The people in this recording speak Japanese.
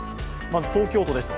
まず、東京都です。